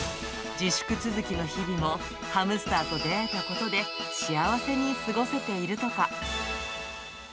自粛続きの日々も、ハムスターと出会えたことで幸せに過ごせているとか。